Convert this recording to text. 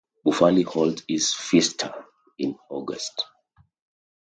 Bufali holds its Fiesta in August.